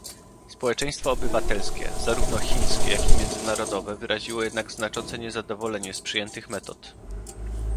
Społeczeństwo obywatelskie, zarówno chińskie, jak i międzynarodowe, wyraziło jednak znaczące niezadowolenie z przyjętych metod